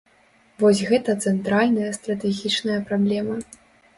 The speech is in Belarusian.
Вось гэта цэнтральная стратэгічная праблема.